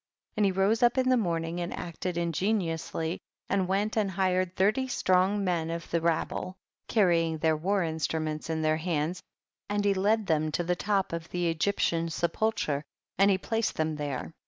13. And he rose up in the morn ing and acted ingeniously, and went and hired thirty strong men of the rabble, carrying their war instru ments in their hands, and he led them to the top of the Egyptian se pulchre, and he placed them there, 14.